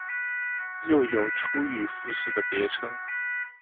又有出羽富士的别称。